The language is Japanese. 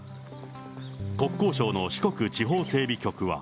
国交省の四国地方整備局は。